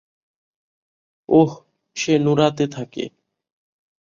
ওহ, সে নোরাতে থাকে।